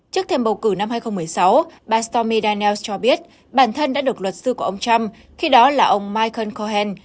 trước thêm bầu cử năm hai nghìn một mươi sáu bà stomy dannels cho biết bản thân đã được luật sư của ông trump khi đó là ông michael cohen